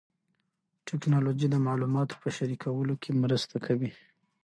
ټیکنالوژي د معلوماتو په شریکولو کې مرسته کوي.